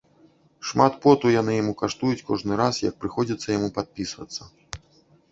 Шмат поту яны яму каштуюць кожны раз, як прыходзіцца яму падпісвацца.